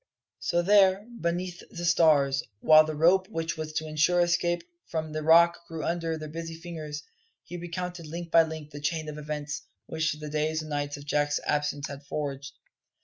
So there, beneath the stars, while the rope which was to ensure escape from the Rock grew under, their busy fingers, he recounted link by link the chain of events which the days and nights of Jack's absence had forged.